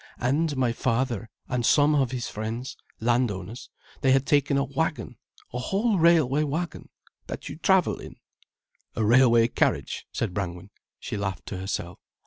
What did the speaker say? And my father, and some of his friends, landowners, they had taken a wagon, a whole railway wagon—that you travel in——" "A railway carriage," said Brangwen. She laughed to herself.